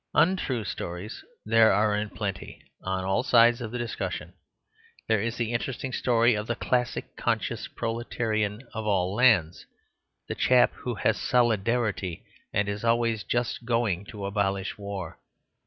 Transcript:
Untrue stories there are in plenty, on all sides of the discussion. There is the interesting story of the Class Conscious Proletarian of All Lands, the chap who has "solidarity," and is always just going to abolish war.